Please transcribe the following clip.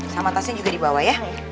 sama tasnya juga di bawah ya